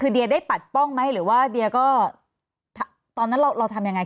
คือเดียได้ปัดป้องไหมหรือว่าเดียก็ตอนนั้นเราทำยังไง